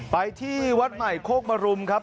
ไปที่วัดใหม่โคกมรุมครับ